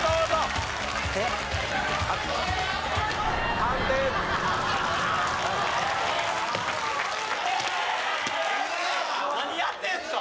判定何やってんすか！